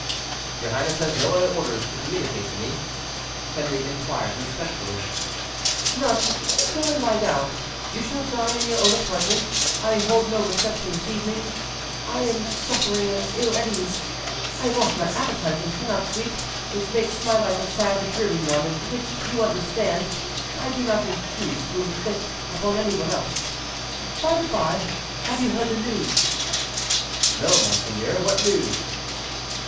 "Your highness has no other orders to communicate to me?" Henri inquired, respectfully. "None. Go and lie down. You shall dine in your own apartment. I hold no reception this evening; I am suffering and ill at ease; I have lost my appetite, and cannot sleep, which makes my life a sad, dreary one, and which, you understand, I do not choose to inflict upon any one else. By the by, you have heard the news?" "No, monseigneur; what news?"